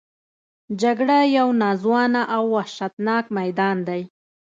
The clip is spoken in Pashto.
جګړه یو ناځوانه او وحشتناک میدان دی